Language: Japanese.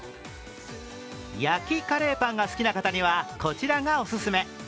焼きカレーパンが好きな方にはこちらがお勧め。